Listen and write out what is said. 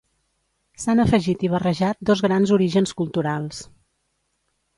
S'han afegit i barrejat dos grans orígens culturals